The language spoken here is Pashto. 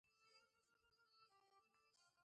دوی ژمنه کوي چې مهارت به د خیر لپاره کاروي.